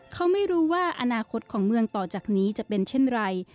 เขาไม่รู้ว่าอนาคตของเมืองต่อจากนี้จะเป็นเช่นไร